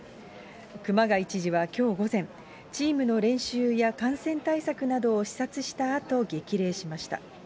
熊谷知事はきょう午前、チームの練習や感染対策などを視察したあと、激励しました。